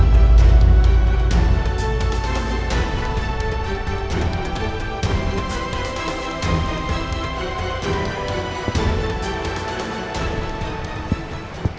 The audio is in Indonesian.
punyanya elsa kan pak